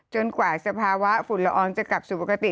กว่าสภาวะฝุ่นละอองจะกลับสู่ปกติ